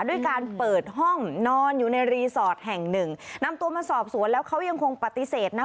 ด้วยการเปิดห้องนอนอยู่ในรีสอร์ทแห่งหนึ่งนำตัวมาสอบสวนแล้วเขายังคงปฏิเสธนะ